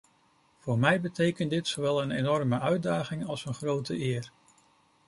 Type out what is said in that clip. Voor mij betekent dit zowel een enorme uitdaging als een grote eer.